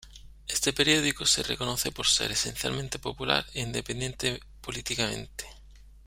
Este periódico se reconoce por ser esencialmente popular e independiente políticamente.